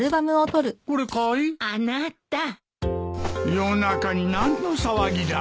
夜中に何の騒ぎだ。